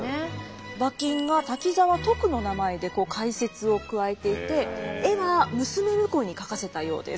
馬琴が瀧澤解の名前で解説を加えていて絵は娘婿に描かせたようです。